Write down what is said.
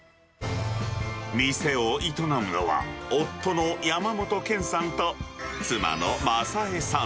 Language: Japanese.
店を営むのは、夫の山本剣さんと妻の正枝さん。